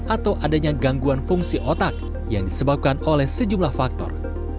atau adanya gangguan fungsi otak yang disebabkan oleh sejumlah faktor